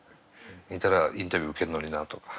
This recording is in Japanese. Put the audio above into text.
いたらインタビュー受けるのになとか。